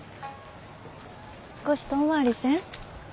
少し遠回りせん？